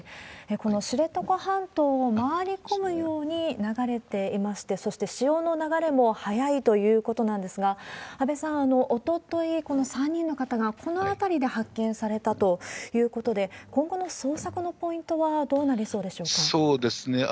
この知床半島を回り込むように流れていまして、そして潮の流れも速いということなんですが、安倍さん、おととい、３人の方がこの辺りで発見されたということで、今後の捜索のポイントはどうなりそうでしょうか？